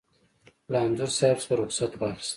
له انځور صاحب څخه رخصت واخیست.